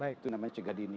itu namanya cegadini